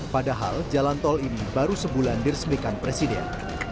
padahal jalan tol ini baru sebulan diresmikan presiden